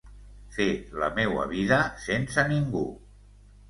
Fer la meua vida sense ningú.